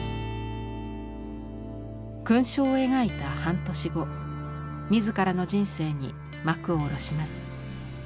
「勲章」を描いた半年後自らの人生に幕を下ろします。